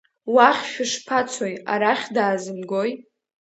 Уахь шәышԥацои, арахь даазымгои…